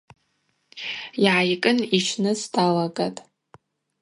Йгӏайкӏын йщныс далагатӏ.